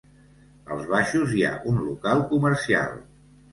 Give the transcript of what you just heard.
Als baixos hi ha un local comercial.